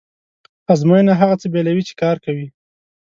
ازموینه هغه څه بېلوي چې کار کوي.